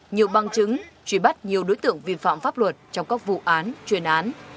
nhiều băng chứng truy bắt nhiều đối tượng viên phạm pháp luật trong các vụ án truyền án